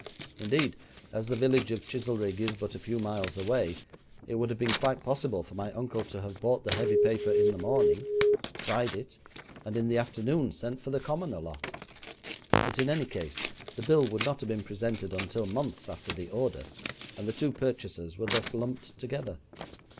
Indeed, as the village of Chizelrigg is but a few miles away, it would have been quite possible for my uncle to have bought the heavy paper in the morning, tried it, and in the afternoon sent for the commoner lot; but in any case, the bill would not have been presented until months after the order, and the two purchases were thus lumped together.'